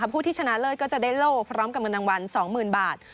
ผู้ที่ชนะเลิศก็จะได้โล่พร้อมกับเงินรางวัล๒๐๐๐บาท